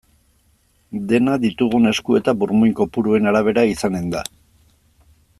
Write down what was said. Dena ditugun esku eta burmuin kopuruen arabera izanen da.